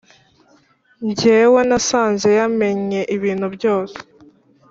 jyewe nasanze yamennye ibintu byose